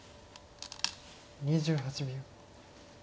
２８秒。